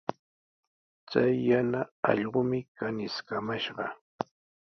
Chay yana allqumi kaniskamashqa.